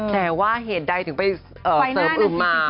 แต่ว่าเหตุใดถึงไปเสริมอึมมา